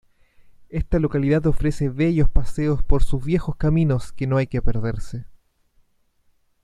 Esta localidad ofrece bellos paseos por sus viejos caminos que no hay que perderse.